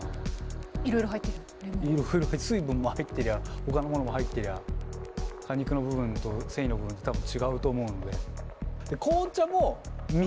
水分も入ってりゃほかのものも入ってりゃ果肉の部分と繊維の部分で多分違うと思うので。